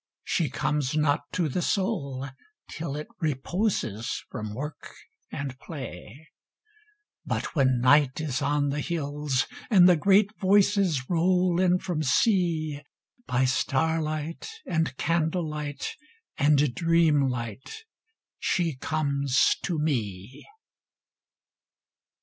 She comes not to the Soul till it reposes From work and play. But when Night is on the hills, and the great Voices Roll in from Sea, By starlight and candle light and dreamlight She comes to me.